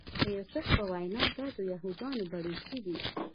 د یوسف په وینا دا د یهودانو بړیڅي دي.